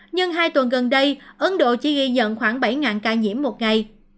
nhưng hai tuần gần đây ấn độ chỉ ghi nhận khoảng bảy ca nhiễm một ngày